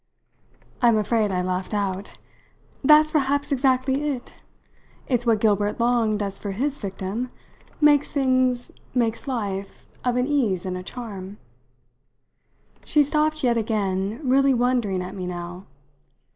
I'm afraid I laughed out. "That's perhaps exactly it! It's what Gilbert Long does for his victim makes things, makes life, of an ease and a charm." She stopped yet again, really wondering at me now.